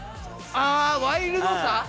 あワイルドさ？